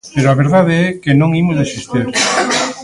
Pero a verdade é que non imos desistir.